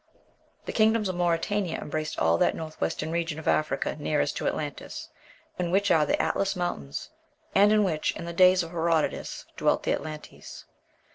The kingdoms of Mauritania embraced all that north western region of Africa nearest to Atlantis in which are the Atlas Mountains, and in which, in the days of Herodotus, dwelt the Atlantes.